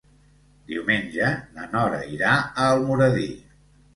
Diumenge na Nora irà a Almoradí.